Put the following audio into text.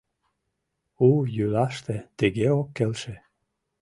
У йӱлаште тыге ок келше.